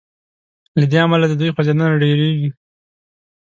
له دې امله د دوی خوځیدنه ډیریږي.